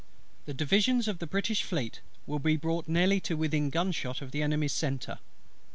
The divisions of the British Fleet will be brought nearly within gun shot of the Enemy's centre.